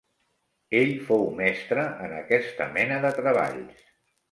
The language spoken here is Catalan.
Ell fou mestre en aquesta mena de treballs.